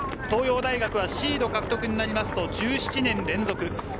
東洋大はシード獲得になると１７年連続。